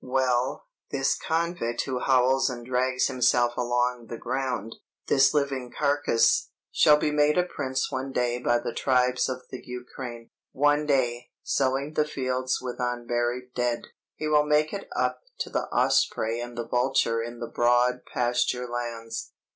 "Well, this convict who howls and drags himself along the ground, this living carcass, shall be made a prince one day by the tribes of the Ukraine. One day, sowing the fields with unburied dead, he will make it up to the osprey and the vulture in the broad pasture lands.